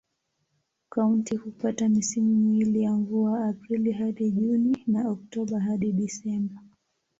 Kaunti hupata misimu miwili ya mvua: Aprili hadi Juni na Oktoba hadi Disemba.